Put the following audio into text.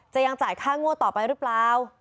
ยังจ่ายค่างวดต่อไปหรือเปล่า